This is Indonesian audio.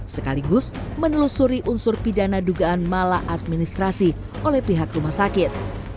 sekaligus menelusuri unsur pidana dugaan malah administrasi oleh pihak rumah sakit